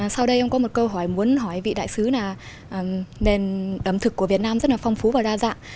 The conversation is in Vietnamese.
sau đây em có một câu hỏi muốn hỏi vị đại sứ là nền ẩm thực của việt nam rất là phong phú và đa dạng